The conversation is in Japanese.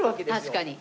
確かに。